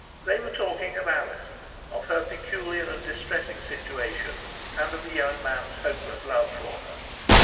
They were talking of Alizon, of her peculiar and distressing situation, and of the young man's hopeless love for her.